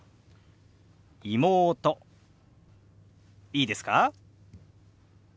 いいですか？